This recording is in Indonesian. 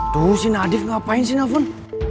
tuh si nadif ngapain sih nafun